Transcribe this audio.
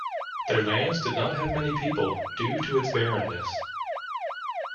Their lands did not have many people due to its barrenness.